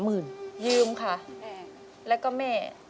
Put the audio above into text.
ยืมค่ะแล้วก็แม่